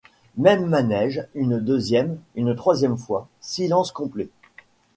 Même manége une deuxième, une troisième fois ; silence complet.